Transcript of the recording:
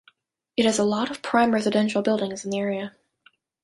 It has a lot of prime residential buildings in the area.